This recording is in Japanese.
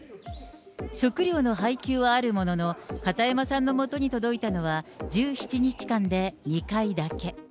食料の配給はあるものの、片山さんのもとに届いたのは、１７日間で２回だけ。